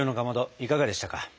いかがでしたか？